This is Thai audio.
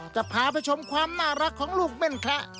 จะพาไปชมความน่ารักของลูกเม่นแคระ